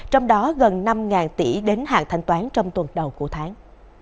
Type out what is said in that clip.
trong đó gần năm tỷ đến hạn thanh toán trong tuần đầu của tháng